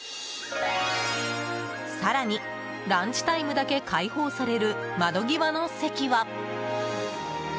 更に、ランチタイムだけ開放される窓際の席は。